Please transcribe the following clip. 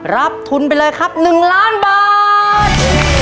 รับทุนไปเลยครับ๑ล้านบาท